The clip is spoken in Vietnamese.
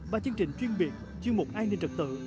và chương trình chuyên biệt chuyên mục an ninh trật tự